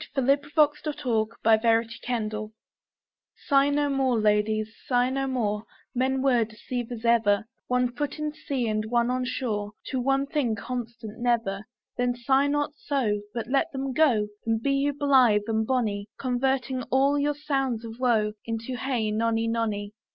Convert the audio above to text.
William Shakespeare Sigh no More Sigh no more, ladies, sigh no more, Men were deceivers ever; One foot in sea, and one on shore, To one thing constant never. Then sigh not so, But let them go, And be you blith and bonny, Converting all your sounds of woe Into Hey nonny, nonny.